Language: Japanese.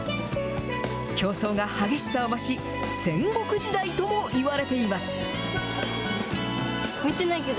競争が激しさを増し、戦国時代ともいわれています。